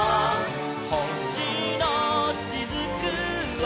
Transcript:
「ほしのしずくは」